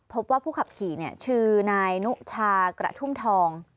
พบว่าผู้ขับขี่ชื่อนายนุชากระทุ่มทอง